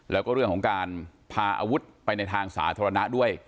แล้วก็เรื่องของการพาอาวุธไปในทางสาธารณะด้วย